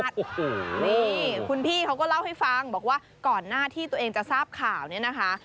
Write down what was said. นี่คุณพี่เขาก็เล่าให้ฟังบอกว่าก่อนหน้าที่ตัวเองจะทราบข่าวเนี่ยนะคะ